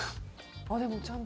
でも、ちゃんと。